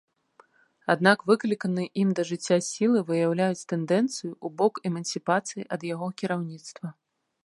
Аднак выкліканыя ім да жыцця сілы выяўляюць тэндэнцыю ў бок эмансіпацыі ад яго кіраўніцтва.